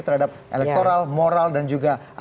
terhadap elektoral moral dan juga